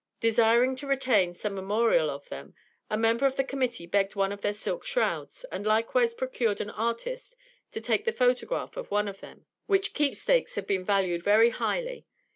Desiring to retain some memorial of them, a member of the Committee begged one of their silk shrouds, and likewise procured an artist to take the photograph of one of them; which keepsakes have been valued very highly.